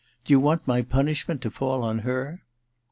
Do you want my punishment to fall on her